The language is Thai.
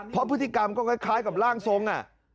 เพราะพฤติกรรมก็คล้ายกับร่างทรง